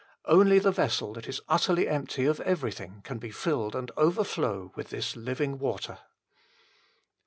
Only the vessel that is utterly empty of everything can be filled and overflow with this living water.